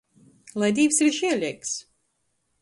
Lai Dīvs ir žieleigs!